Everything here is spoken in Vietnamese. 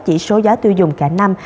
chỉ số giá tiêu dùng cả năm